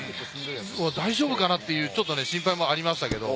大丈夫かなっていう心配もありましたけれど。